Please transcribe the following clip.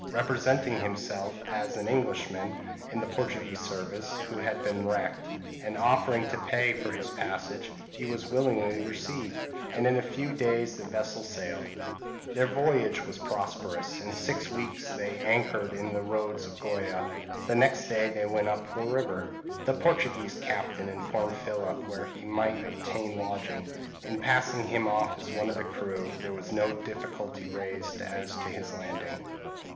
Representing himself as am Englishman in the Portuguese service, who had been wrecked, and offering to pay for his passage, he was willingly received, and in a few days the vessel sailed. Their voyage was prosperous; in six weeks they anchored in the roads of Goa; the next day they went up the river. The Portuguese captain informed Philip where he might obtain lodging; and passing him off as one of his crew, there was no difficulty raised as to his landing.